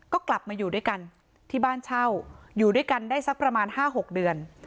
ก็กลับมาอยู่ด้วยกันที่บ้านเช่าอยู่ด้วยกันได้สักประมาณ๕๖เดือน